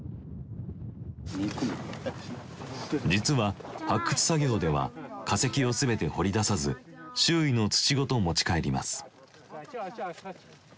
実は発掘作業では化石を全て掘り出さず周囲の土ごと持ち帰ります。